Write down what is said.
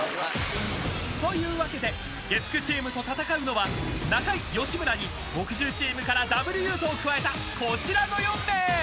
［というわけで月９チームと戦うのは中居吉村に木１０チームからダブルゆうとを加えたこちらの４名！］